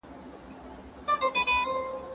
¬ چي خاوند ئې لېټۍ خوري، د سپو بې څه حال وي.